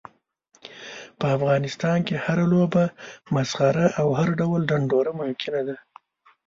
په افغانستان کې هره لوبه، مسخره او هر ډول ډنډوره ممکنه ده.